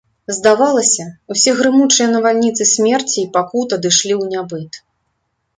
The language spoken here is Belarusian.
Здавалася, усе грымучыя навальніцы смерці і пакут адышлі ў нябыт.